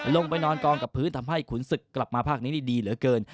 ลงไปนอนกองกับพื้นทำให้ขุนศึกกลับมาภาคนี้นี่ดีเหลือเกิน